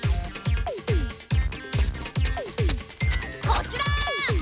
こっちだ！